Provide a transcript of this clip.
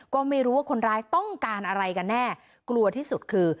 ก็ไม่รู้ว่าคนร้ายต้องการอะไรกันแน่กลัวที่สุดคือ